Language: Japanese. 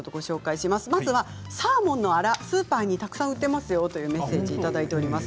まずはサーモンのアラスーパーにたくさん売っていますよとメッセージをいただいてます。